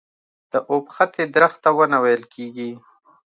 د اوبښتې درخته ونه ويل کيږي.